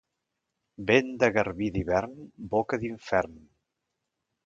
Vent de garbí d'hivern, boca d'infern.